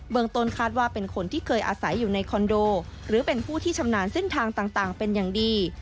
ต้นคาดว่าเป็นคนที่เคยอาศัยอยู่ในคอนโดหรือเป็นผู้ที่ชำนาญเส้นทางต่างเป็นอย่างดี